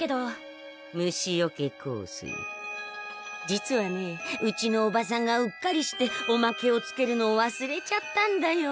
実はねうちのおばさんがうっかりしておまけをつけるのを忘れちゃったんだよ。